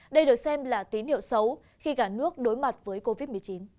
đây được xem là tín hiệu xấu khi cả nước đối mặt với covid một mươi chín